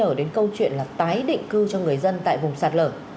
nó sẽ trở đến câu chuyện là tái định cư cho người dân tại vùng sạt lở